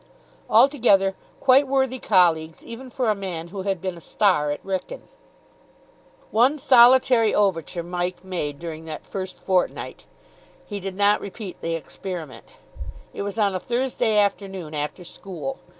Altogether, quite worthy colleagues even for a man who had been a star at Wrykyn. One solitary overture Mike made during that first fortnight. He did not repeat the experiment. It was on a Thursday afternoon, after school.